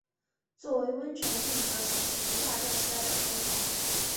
作为温泉地则是起于大正时代的开凿。